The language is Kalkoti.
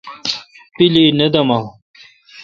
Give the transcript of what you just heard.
پیلی نہ دمان۔